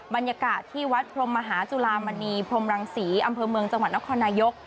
บรรยากาศที่วัดพรมมหาจุลามณีพรมรังศรีอำเภอเมืองจังหวัดนครนายก